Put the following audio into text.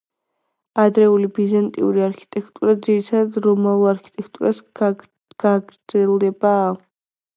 ადრეული ბიზანტიური არქიტექტურა ძირითადად რომაული არქიტექტურის გაგრძელებაა.